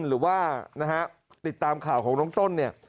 หรือว่านะฮะติดตามข่าวของน้องต้นเนี่ย